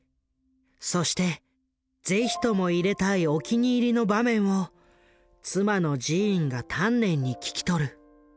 そして是非とも入れたいお気に入りの場面を妻のジーンが丹念に聞き取る。